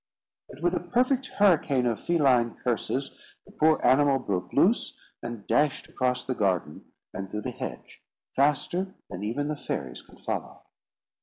But with a perfect hurricane of feline curses, the poor animal broke loose, and dashed across the garden and through the hedge, faster than even the fairies could follow.